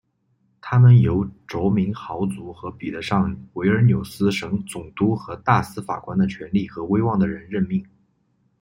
他们由着名豪族和比得上维尔纽斯省总督和大司法官的权力和威望的人任命。